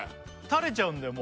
垂れちゃうんだよ